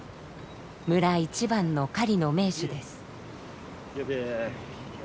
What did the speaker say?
村一番の狩りの名手です。